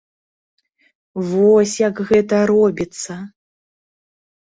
Вось як гэта робіцца.